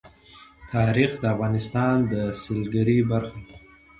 تاریخ د افغانستان د سیلګرۍ برخه ده.